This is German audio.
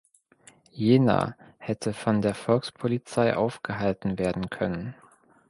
Jener hätte von der Volkspolizei aufgehalten werden können.